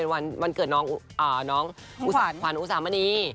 วันเกิดหนองควรอุสามนี